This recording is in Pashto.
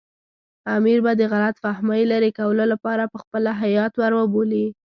امیر به د غلط فهمۍ لرې کولو لپاره پخپله هیات ور وبولي.